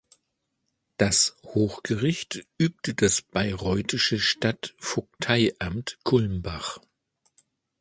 Das Hochgericht übte das bayreuthische Stadtvogteiamt Kulmbach.